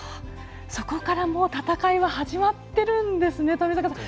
そこからもう戦いは始まっているんですね。